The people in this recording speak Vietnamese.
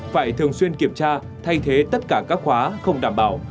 phải thường xuyên kiểm tra thay thế tất cả các khóa không đảm bảo